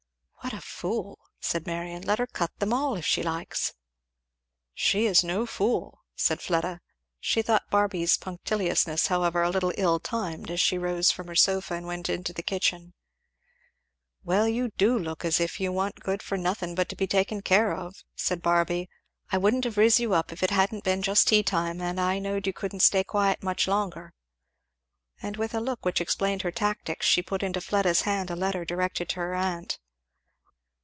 "What a fool!" said Marion. "Let her cut them all if she likes." "She is no fool," said Fleda. She thought Barby's punctiliousness however a little ill timed, as she rose from her sofa and went into the kitchen. "Well you do look as if you wa'n't good for nothing but to be taken care of!" said Barby. "I wouldn't have riz you up if it hadn't been just tea time, and I knowed you couldn't stay quiet much longer;" and with a look which explained her tactics she put into Fleda's hand a letter directed to her aunt.